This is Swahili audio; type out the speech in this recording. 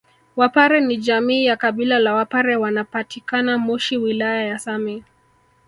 Wapare ni jamii ya kabila la wapare wanapatikana moshi wilaya ya same